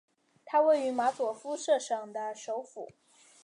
它位于马佐夫舍省的首府。